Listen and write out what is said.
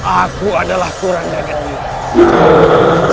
aku adalah kurangnya gendut